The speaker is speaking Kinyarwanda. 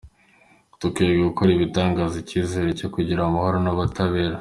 Dukwiye gukora Ibitanga icyizere cyo gukira, amahoro n’ubutabera.